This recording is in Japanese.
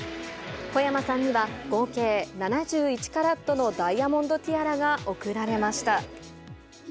小山さんには、合計７１カラットのダイヤモンドティアラが贈られました。